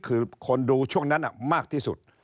คือคนดูช่วงนั้นมากที่สุด